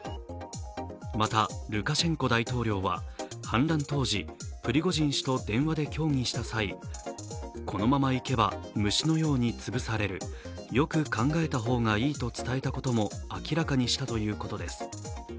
また、ルカシェンコ大統領は反乱当時、プリゴジン氏と電話で協議した際、このままいけば虫のように潰される、よく考えた方がいいと伝えたことも明らかにしたということです。